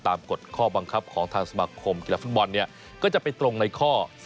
กฎข้อบังคับของทางสมาคมกีฬาฟุตบอลเนี่ยก็จะไปตรงในข้อ๒